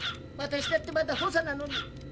私だってまだ補佐なのに。